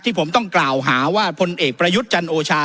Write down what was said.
ผมต้องกล่าวหาว่าพลเอกประยุทธ์จันโอชา